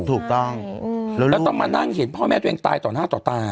ถูกต้องแล้วต้องมานั่งเห็นพ่อแม่ตัวเองตายต่อหน้าต่อตา